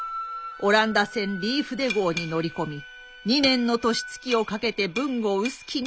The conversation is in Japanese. オランダ船リーフデ号に乗り込み２年の年月をかけて豊後臼杵に漂着。